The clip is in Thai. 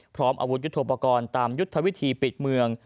พร้อมอาวุธยุทธโปรกรณ์ตามยุทธวิธีปิดเมือง